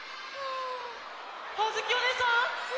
あづきおねえさん！